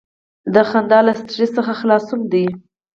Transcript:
• خندا له سټریس څخه خلاصون دی.